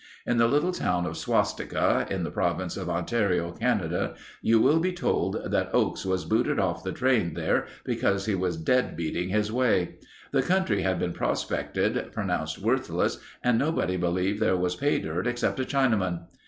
In the little town of Swastika in the province of Ontario, Canada, you will be told that Oakes was booted off the train there because he was dead beating his way. The country had been prospected, pronounced worthless and nobody believed there was pay dirt except a Chinaman.